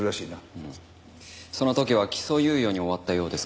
その時は起訴猶予に終わったようですけど。